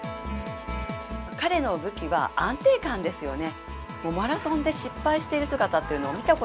彼の武器は安定感ですよね。